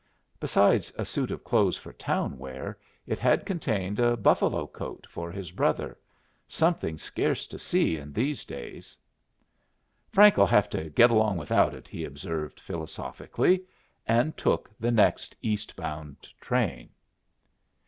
Besides a suit of clothes for town wear, it had contained a buffalo coat for his brother something scarce to see in these days. "Frank'll have to get along without it," he observed, philosophically, and took the next eastbound train.